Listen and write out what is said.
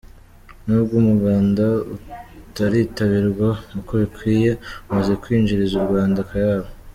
Nubwo umuganda utaritabirwa uko bikwiye, umaze kwinjiriza u Rwanda akayabo.